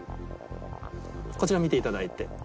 こちら見ていただいて。